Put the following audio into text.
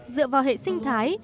dựa vào hệ sinh thái